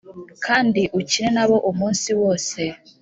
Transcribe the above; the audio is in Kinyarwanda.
kandi ukine nabo umunsi wose